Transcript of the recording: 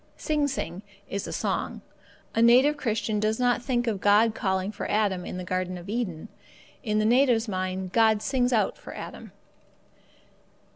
Sing sing is a song. The native Christian does not think of God calling for Adam in the Garden of Eden; in the native's mind, God sings out for Adam.